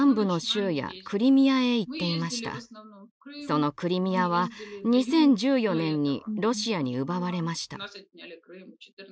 そのクリミアは２０１４年にロシアに奪われました。